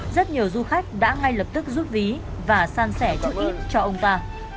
rất nhiều du khách đã ngay lập tức rút ví và sang sẻ chút ít cho ông ta